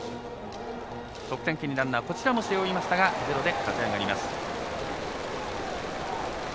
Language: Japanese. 得点圏にランナーこちらも背負いましたがゼロで立ち上がります。